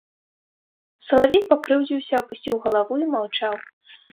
Салавей пакрыўдзіўся, апусціў галаву і маўчаў.